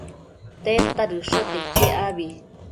tedta dëshote iquec abi?